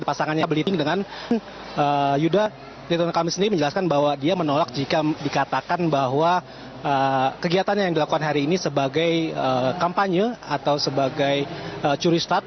pasangannya beliting dengan yuda ridwan kamil sendiri menjelaskan bahwa dia menolak jika dikatakan bahwa kegiatan yang dilakukan hari ini sebagai kampanye atau sebagai curi start